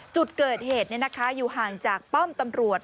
จุดเกิดเหตุอยู่ห่างจากป้อมตำรวจ